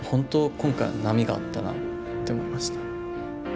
今回は波があったなって思いました。